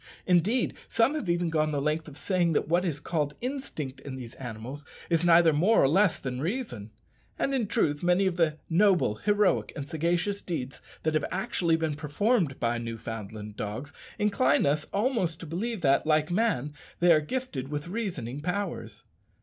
Indeed, some have even gone the length of saying that what is called instinct in these animals is neither more nor less than reason. And in truth many of the noble, heroic, and sagacious deeds that have actually been performed by Newfoundland dogs incline us almost to believe that, like man, they are gifted with reasoning powers.